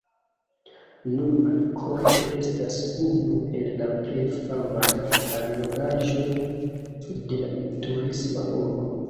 Nun ankoraŭ estas unu el la plej famaj allogaĵoj de la turisma urbo.